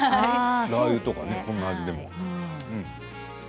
ラーユとか、この味でも。